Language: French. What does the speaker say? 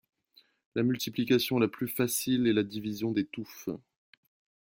La multiplication la plus facile est la division des touffes.